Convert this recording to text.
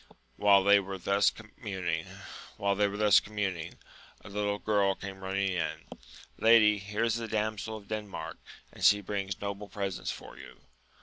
While they AMADIS OF GAUL. 19 were thus communing, a little girl came running in, Lady, here is the damsel of Denmark, and she brings noble presents for you